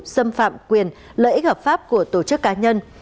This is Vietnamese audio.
xâm phạm quyền lợi ích hợp pháp của tổ chức cá nhân